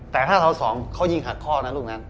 แต่ถ้าเสา๒เขายิงหักข้อนะลูกนั้น